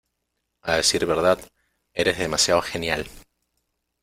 A decir verdad, eres demasiado genial.